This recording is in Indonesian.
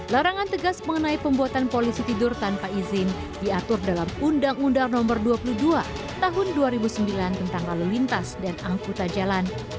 larangan tegas mengenai pembuatan polisi tidur tanpa izin diatur dalam undang undang no dua puluh dua tahun dua ribu sembilan tentang lalu lintas dan angkutan jalan